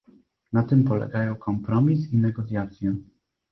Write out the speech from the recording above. Na tym polegają kompromis i negocjacje